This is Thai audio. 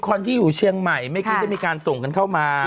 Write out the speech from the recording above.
คนที่อยู่เชียงใหม่เมื่อกี้ได้มีการส่งกันเข้ามา